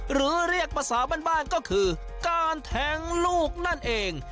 หรือเรียกภาษาบ้านก็คือการแทงลูกนั่นเอง